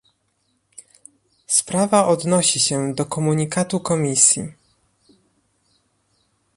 sprawa odnosi się do komunikatu Komisji